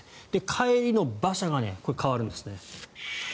帰りの馬車がこれ、変わるんですね。